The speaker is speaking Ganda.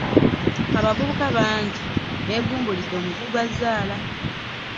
Abavubuka bangi beegumbulidde omuze gwa zzaala.